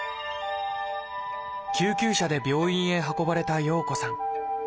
救急車で病院へ運ばれた洋子さん。